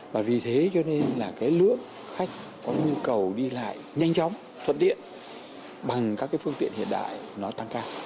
và vì thế cho nên là cái lượng khách có nhu cầu đi lại nhanh chóng thuận tiện bằng các cái phương tiện hiện đại nó tăng cao